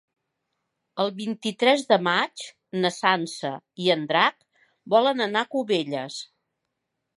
El vint-i-tres de maig na Sança i en Drac volen anar a Cubelles.